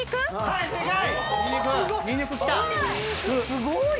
すごーい！